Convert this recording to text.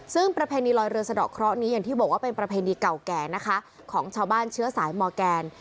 ซึ่งประเพณีลอยเรือสะดอกเคราะห์นี้อย่างที่บอกว่าเป็นประเพณีเก่าแก่นะคะของชาวบ้านเชื้อสายมอร์แกน